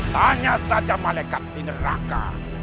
tanya saja malekat di neraka